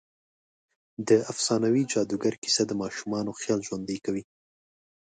د افسانوي جادوګر کیسه د ماشومانو خيال ژوندۍ کوي.